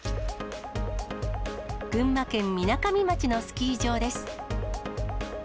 群馬県みなかみ町のスキー場です。